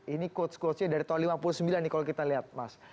ini quotes quotesnya dari tahun lima puluh sembilan nih kalau kita lihat mas